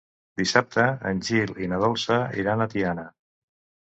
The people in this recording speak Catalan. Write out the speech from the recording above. Dissabte en Gil i na Dolça iran a Tiana.